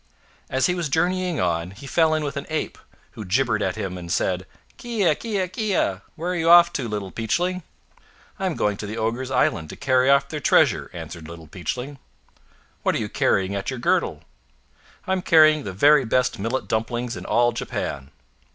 As he was journeying on, he fell in with an Ape, who gibbered at him, and said, "Kia! kia! kia! where are you off to, Little Peachling?" "I'm going to the ogres' island, to carry off their treasure," answered Little Peachling. "What are you carrying at your girdle?" "I'm carrying the very best millet dumplings in all Japan.